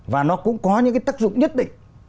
và nó cũng có những cái tác dụng nhất định